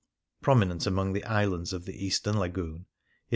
Prominent among the islands of the eastern lagoon is S.